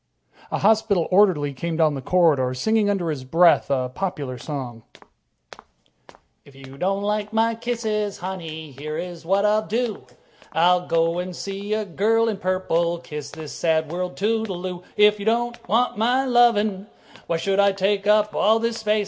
A hospital orderly came down the corridor, singing under his breath a popular song: If you don't like my kisses, honey, Here's what I will do: I'll go see a girl in purple, Kiss this sad world toodle oo. If you don't want my lovin', Why should I take up all this space?